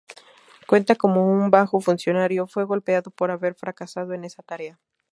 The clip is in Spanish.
Cuenta cómo un bajo funcionario fue golpeado por haber fracasado en esa tarea.